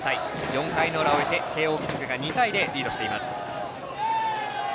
４回の裏終えて、慶応義塾が２対０、リードしています。